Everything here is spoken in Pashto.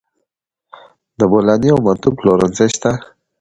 د بولاني او منتو پلورنځي شته